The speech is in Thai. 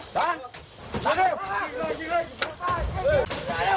ตั้งปลา